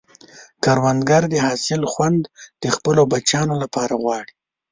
کروندګر د حاصل خوند د خپلو بچیانو لپاره غواړي